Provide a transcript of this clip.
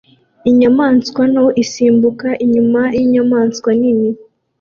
Inyamaswa nto isimbuka inyuma yinyamaswa nini